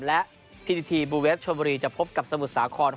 และพีทีทีบลูเวฟชวบบรีจะพบกับสมุดสาขอร์ด